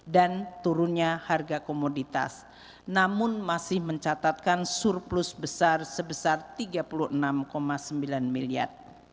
dan turunnya harga komoditas namun masih mencatatkan surplus besar sebesar tiga puluh enam sembilan miliar